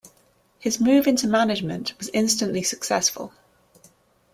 His move into management was instantly successful.